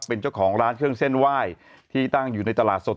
เป็นเจ้าของร้านเครื่องเส้นไหว้ที่ตั้งอยู่ในตลาดสด